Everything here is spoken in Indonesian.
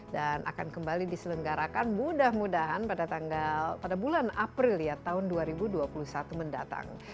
dan akan kembali diselenggarakan mudah mudahan pada bulan april dua ribu dua puluh satu mendatang